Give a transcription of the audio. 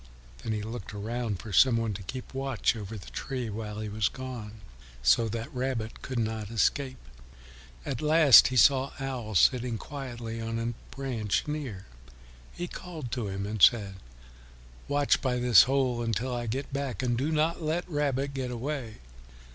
Then he looked around for some one to keep watch over the tree while he was gone, so that Rabbit could not escape. At last he saw Owl sitting quietly on a branch near. He called to him and said, "Watch by this hole until I get back, and do not let Rabbit get away."